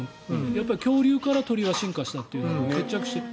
恐竜から鳥は進化したって決着している。